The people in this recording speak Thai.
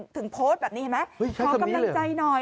ถึงโพสต์แบบนี้เห็นไหมขอกำลังใจหน่อย